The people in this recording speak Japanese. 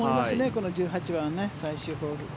この１８番、最終ホール。